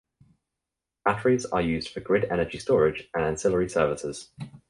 Batteries are used for grid energy storage and ancillary services.